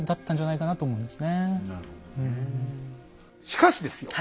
しかしですよ